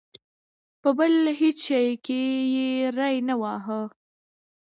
په بل هېڅ شي کې یې ری نه واهه.